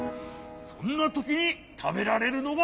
そんなときにたべられるのがこれ！